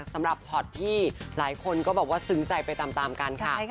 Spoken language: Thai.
ช็อตที่หลายคนก็บอกว่าซึ้งใจไปตามกันค่ะ